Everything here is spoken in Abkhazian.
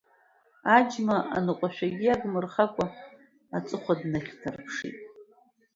Аџьма аныҟәашәагьы иагмырхакәа аҵыхәа днахьнарԥшит.